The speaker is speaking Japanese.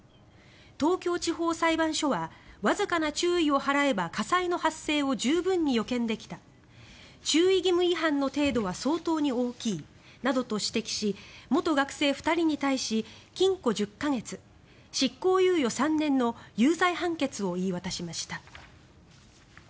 東京地方裁判所はわずかな注意を払えば火災の発生を十分に予見できた注意義務違反の程度は相当に大きいなどと指摘し元学生２人に対し禁錮１０か月、執行猶予３年の有罪判決を言い渡しました。